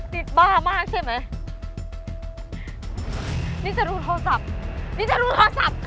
ติดบ้ามากใช่ไหมนี่จะดูโทรศัพท์นี่จะดูโทรศัพท์ค่ะ